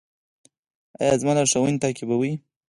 ایا زما لارښوونې تعقیبوئ؟